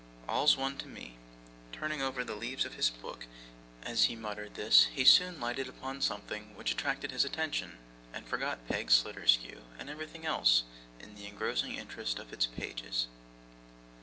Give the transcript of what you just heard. All's one to me.' Turning over the leaves of his book as he muttered this, he soon lighted upon something which attracted his attention, and forgot Peg Sliderskew and everything else in the engrossing interest of its pages.